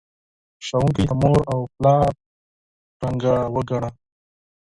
ښوونکی د مور او پلار په څیر وگڼه.